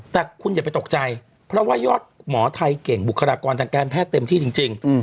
แต่คุณอย่าไปตกใจเพราะว่ายอดหมอไทยเก่งบุคลากรทางการแพทย์เต็มที่จริง